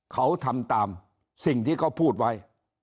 เขาทำตามสิ่งที่เขาพูดไว้